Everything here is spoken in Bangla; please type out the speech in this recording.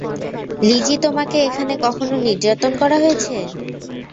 লিজি তোমাকে এখানে কখনো নির্যাতন করা হয়েছে?